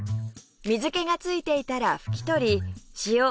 水気がついていたら拭き取り塩